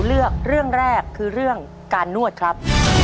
เลือกเรื่องแรกคือเรื่องการนวดครับ